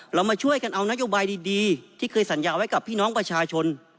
เรามาช่วยกันเอานโยบายดีที่เคยสัญญาไว้กับพี่น้องประชาชน